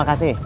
aku mau pergi